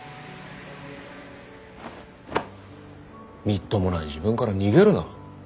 みっともない自分から逃げるな。